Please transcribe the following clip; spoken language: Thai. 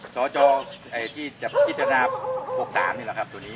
สจที่จะพิจารณา๖๓นี่แหละครับตัวนี้